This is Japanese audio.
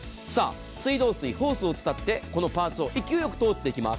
水道水、ホースを伝ってこのパーツを勢いよく通っていきます。